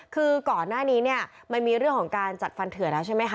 คือก่อนหน้านี้เนี่ยมันมีเรื่องของการจัดฟันเถื่อแล้วใช่ไหมคะ